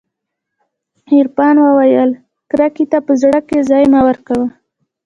عرفان وويل کرکې ته په زړه کښې ځاى مه ورکوه.